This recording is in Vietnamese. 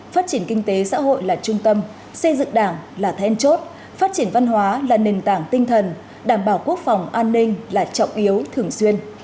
phát triển kinh tế xã hội là trung tâm xây dựng đảng là then chốt phát triển văn hóa là nền tảng tinh thần đảm bảo quốc phòng an ninh là trọng yếu thường xuyên